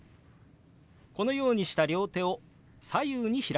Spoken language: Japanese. このようにした両手を左右に開きます。